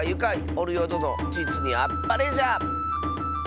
おるよどのじつにあっぱれじゃ！